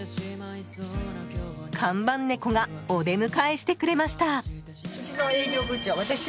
看板猫がお出迎えしてくれました。